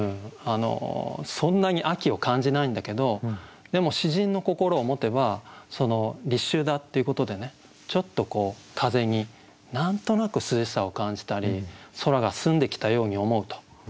そんなに秋を感じないんだけどでも詩人の心を持てば立秋だっていうことでちょっと風に何となく涼しさを感じたり空が澄んできたように思うと。